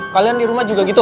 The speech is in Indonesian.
kalian di rumah juga gitu